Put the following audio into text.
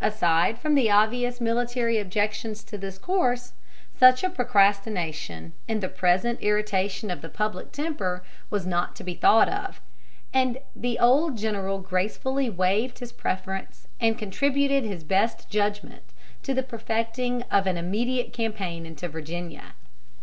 Aside from the obvious military objections to this course, such a procrastination, in the present irritation of the public temper, was not to be thought of; and the old general gracefully waived his preference and contributed his best judgment to the perfecting of an immediate campaign into Virginia.